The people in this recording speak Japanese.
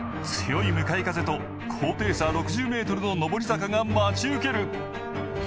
強い向かい風と高低差６０ｍの上り坂が待ち受ける。